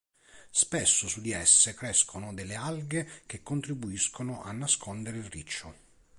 Spesso su di esse crescono delle alghe che contribuiscono a nascondere il riccio.